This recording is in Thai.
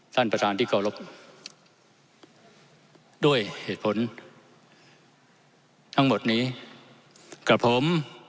ท่านประธานที่เคารพด้วยเหตุผลทั้งหมดนี้กับผม